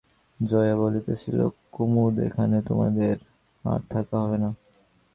জয়া বলিতেছিল, কুমুদ, এখানে তোমাদের আর থাকা হবে না।